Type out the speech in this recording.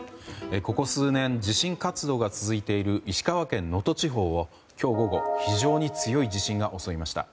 ここ数年地震活動が続いている石川県能登地方を今日午後、非常に強い地震が襲いました。